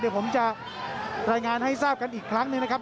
เดี๋ยวผมจะรายงานให้ทราบกันอีกครั้งหนึ่งนะครับ